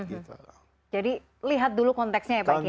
jadi lihat dulu konteksnya ya pak kiai